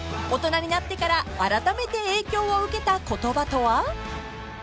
［大人になってからあらためて影響を受けた言葉とは？］